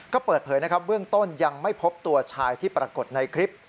ก็เปิดเผยนะครับเบื้องต้นยังไม่พบตัวชายที่ปรากฏในคลิป